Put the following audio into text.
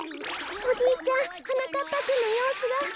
おじいちゃんはなかっぱくんのようすが。